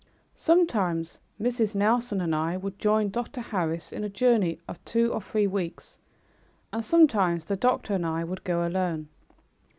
Sometimes Mrs. Nelson and I would join Dr. Harris in a journey of two or three weeks, and sometimes the doctor and I would go alone.